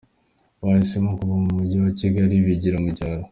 Bahisemo kuva mu Mujyi wa Kigali bigira mu cyaro